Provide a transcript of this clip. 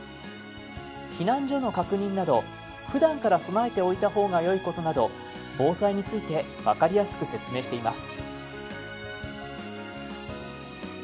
避難所の確認などふだんから備えておいた方がよいことなど防災について分かりやすく説明しています。